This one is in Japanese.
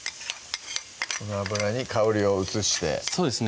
この油に香りを移してそうですね